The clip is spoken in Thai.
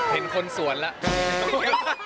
เห็นคนสวนแล้ว